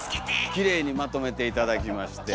きれいにまとめて頂きまして。